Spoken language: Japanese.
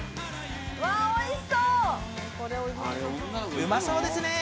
うまそうですね。